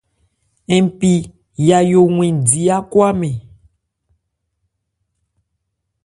Npi Yayó wɛn di ákwámɛn.